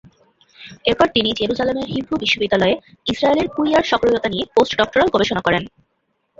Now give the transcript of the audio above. এরপর তিনি জেরুজালেমের হিব্রু বিশ্ববিদ্যালয়ে ইজরায়েলের কুইয়ার সক্রিয়তা নিয়ে পোস্ট-ডক্টরাল গবেষণা করেন।